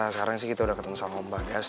sekarang sih kita udah ketemu sama mbak gas